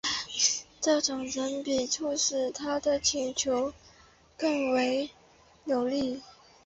这种个人笔触使他的请求更为有力。